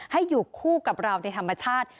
ให้อยู่คู่กับเราในธรรมชาติ